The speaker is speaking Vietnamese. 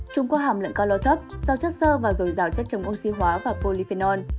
chúng có hàm lượng cao lô thấp rau chất sơ và rồi rào chất chống oxy hóa và polyphenol